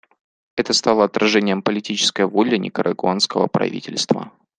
Это стало отражением политической воли никарагуанского правительства.